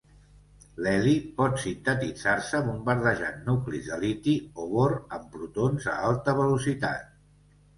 L'heli pot sintetitzar-se bombardejant nuclis de liti o bor amb protons a alta velocitat.